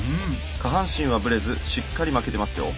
下半身はブレずしっかり巻けてますよ。